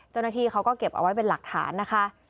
เจ้าหน้าที่เขาก็เก็บเอาไว้เป็นหลักฐานนะคะ